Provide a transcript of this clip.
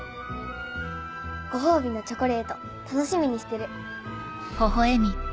ご褒美のチョコレート楽しみにしてる。